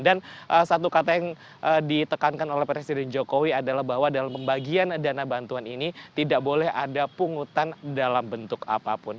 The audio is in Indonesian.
dan satu kata yang ditekankan oleh presiden jokowi adalah bahwa dalam pembagian dana bantuan ini tidak boleh ada pungutan dalam bentuk apapun